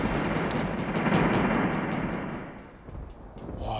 おい。